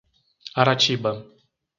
Aratiba